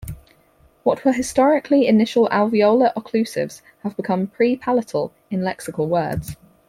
What were historically initial alveolar occlusives have become pre-palatal in lexical words.